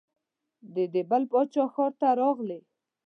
د دې بل باچا ښار ته راغلې.